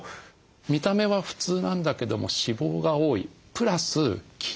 見た目は普通なんだけども脂肪が多いプラス筋肉が少ない。